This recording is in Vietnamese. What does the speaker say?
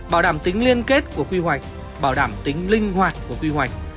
bảo đảm tính liên kết của quy hoạch bảo đảm tính linh hoạt của quy hoạch